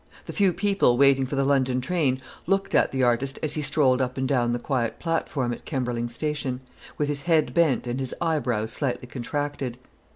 The few people waiting for the London train looked at the artist as he strolled up and down the quiet platform at Kemberling Station, with his head bent and his eyebrows slightly contracted.